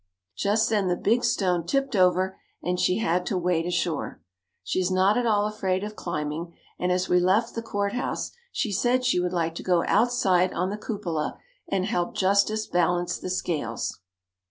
Just then the big stone tipped over and she had to wade ashore. She is not at all afraid of climbing and as we left the Court House she said she would like to go outside on the cupola and help Justice balance the scales.